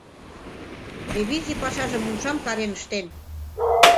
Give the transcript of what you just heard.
Ревизий пашажым умшам карен ыштен: